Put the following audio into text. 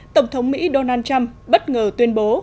tổng thống mỹ donald trump bất ngờ tuyên bố